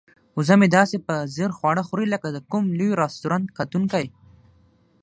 وزه مې داسې په ځیر خواړه خوري لکه د کوم لوی رستورانت کتونکی.